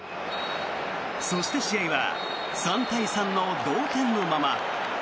そして試合は３対３の同点のまま。